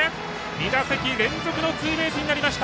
２打席連続のツーベースになりました。